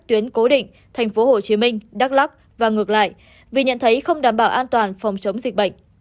tuyến cố định tp hcm đắk lắc và ngược lại vì nhận thấy không đảm bảo an toàn phòng chống dịch bệnh